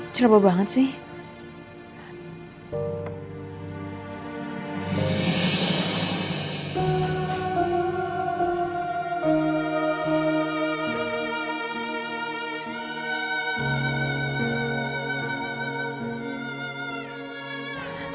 ceroboh banget sih